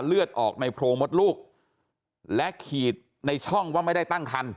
เลือดออกในโพรงมดลูกและขีดในช่องว่าไม่ได้ตั้งคัน